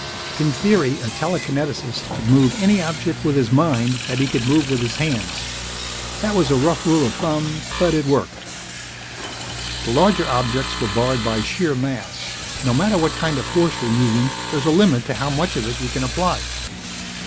In theory, a telekineticist could move any object with his mind that he could move with his hands. That was a rough rule of thumb, but it worked. The larger objects were barred by sheer mass; no matter what kind of force you're using, there's a limit to how much of it you can apply.